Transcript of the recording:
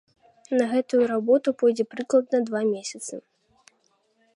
На гэтую работу пойдзе прыкладна два месяцы.